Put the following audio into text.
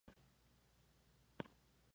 Vilma, puedes, claro que puedes confiar.